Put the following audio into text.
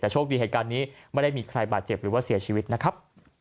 แต่โชคดีเหตุการณ์นี้ไม่ได้มีใครบาดเจ็บหรือว่าเสียชีวิตนะครับ